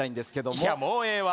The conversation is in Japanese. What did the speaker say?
いやもうええわ。